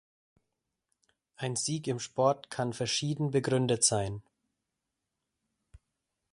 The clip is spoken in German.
Ein Sieg im Sport kann verschieden begründet sein.